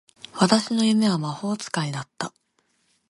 昔の夢は魔法使いだった